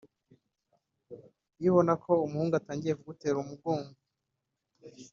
Iyo ubona ko umuhungu atangiye kugutera umugongo